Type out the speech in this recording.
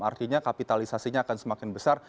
artinya kapitalisasinya akan semakin besar